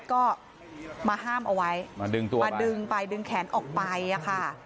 ก็มาห้ามเอาไว้มาดึงไปดึงแขนออกไปค่ะ